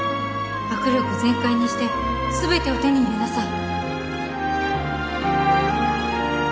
握力全開にして全てを手に入れなさい